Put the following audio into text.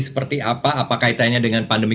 seperti apa apa kaitannya dengan pandemi